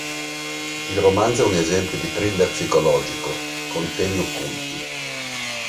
Il romanzo è un esempio di thriller psicologico, con temi occulti.